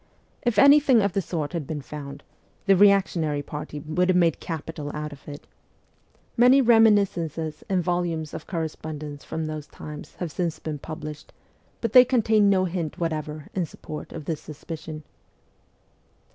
If anything of the sort had been found, the reactionary party would have made capital out of it. Many reminiscences and volumes of corre spondence from those times have since been published, but they contain no hint whatever in support of this suspicion.